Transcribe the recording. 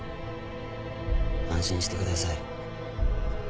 安心してください。